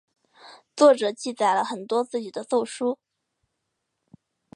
作者记载了很多自己的奏疏。